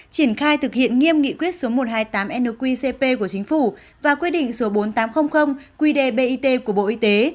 triển khai thực hiện nghiêm nghị quyết số một trăm hai mươi tám nqcp của chính phủ và quy định số bốn nghìn tám trăm linh qdbit của bộ y tế